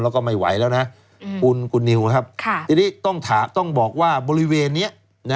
แล้วก็ไม่ไหวแล้วนะคุณนิวครับทีนี้ต้องบอกว่าบริเวณนี้